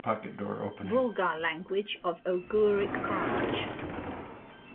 Bulgar language of Oghuric branch.